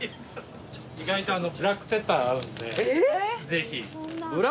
意外とブラックペッパーが合うんでぜひ。